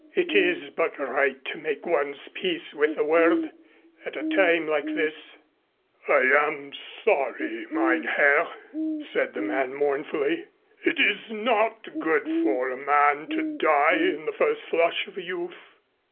"It is but right to make one's peace with the world at a time like this." "I am sorry, mein Herr," said the man mournfully. "It is not good for a man to die in the first flush of youth."